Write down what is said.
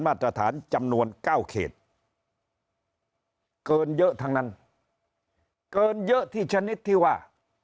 มาตรฐานจำนวนเก้าเขตเกินเยอะทั้งนั้นเกินเยอะที่ชนิดที่ว่า